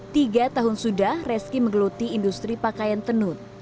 tiga tahun sudah reski menggeluti industri pakaian tenun